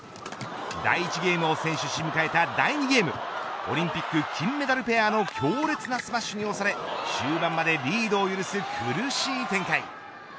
第１ゲームを先取し迎えた第２ゲームオリンピック金メダルペアの強烈なスマッシュに押され終盤までリードを許す苦しい展開。